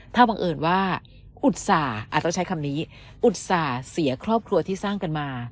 ถ้าบังเอิญว่าอุตส่าห์อาจต้องใช้คำนี้อุตส่าห์เสียครอบครัวที่สร้างกันมา